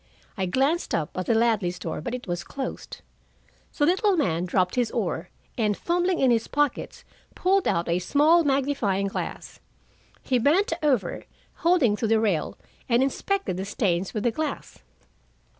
I glanced up at the Ladleys' door, but it was closed. The little man dropped his oar, and fumbling in his pockets, pulled out a small magnifying glass. He bent over, holding to the rail, and inspected the stains with the glass.